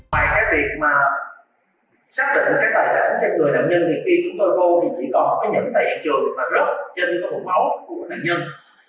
về nạn nhân thì khi chúng tôi vô thì chỉ còn một cái nhẫn tay ở trùi mà rớt trên cái bụng máu của nạn nhân